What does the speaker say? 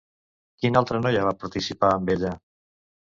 Quina altra noia va participar amb ella?